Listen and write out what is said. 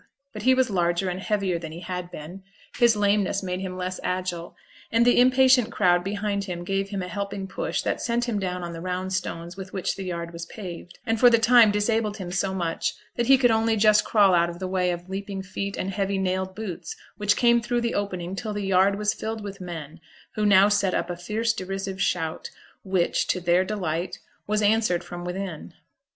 But he was larger and heavier than he had been; his lameness made him less agile, and the impatient crowd behind him gave him a helping push that sent him down on the round stones with which the yard was paved, and for the time disabled him so much that he could only just crawl out of the way of leaping feet and heavy nailed boots, which came through the opening till the yard was filled with men, who now set up a fierce, derisive shout, which, to their delight, was answered from within.